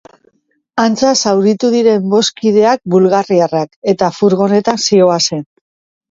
Antza zauritu diren bost kideak bulgariarrak, eta furgonetan zihoazen.